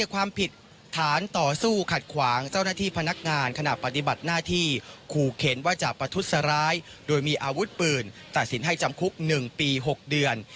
ความผิดฐานต่อสู้ขัดขวางเจ้าหน้าที่พนักงานขณะปฏิบัติหน้าที่ขู่เข็นว่าจะประทุษร้ายโดยมีอาวุธปืนตัดสินให้จำคุก๑ปี๖เดือน